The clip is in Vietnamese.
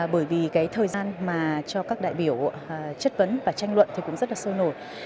bởi vì cái thời gian mà cho các đại biểu chất vấn và tranh luận thì cũng rất là sôi nổi